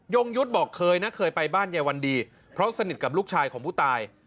งยุทธ์บอกเคยนะเคยไปบ้านยายวันดีเพราะสนิทกับลูกชายของผู้ตาย